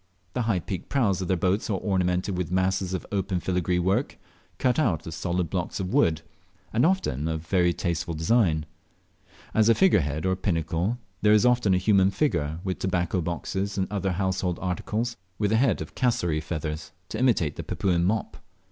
The high peaked prows of their boats are ornamented with masses of open filagree work, cut out of solid blocks of wood, and often of very tasteful design, As a figurehead, or pinnacle, there is often a human figure, with a head of cassowary feathers to imitate the Papuan "mop."